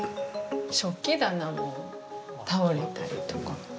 食器棚も倒れたりとか。